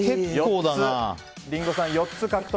リンゴさん、４つ獲得